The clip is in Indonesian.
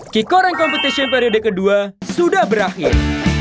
kicoring competition periode kedua sudah berakhir